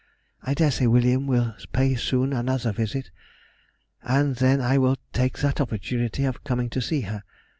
I dare say William will pay soon another visit, and then I will take that opportunity of coming to see her.